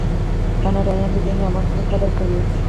کاناډایان د دې نعمتونو قدر کوي.